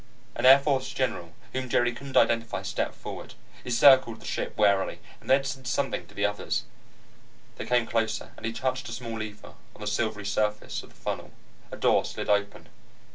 An Air Force General whom Jerry couldn't identify stepped forward. He circled the ship warily, and then said something to the others. They came closer, and he touched a small lever on the silvery surface of the funnel. A door slid open.